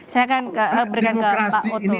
saya akan berikan ke pak otty